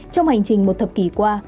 trong hành trình một thập kỷ qua